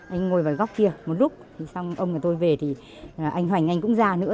anh ngồi vào góc kia một lúc xong ông nhà tôi về thì anh hoành anh cũng ra nữa